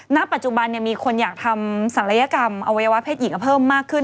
ณปัจจุบันมีคนอยากทำศัลยกรรมอวัยวะเพศหญิงเพิ่มมากขึ้น